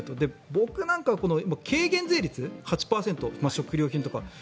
僕なんかは軽減税率８％食料品とか。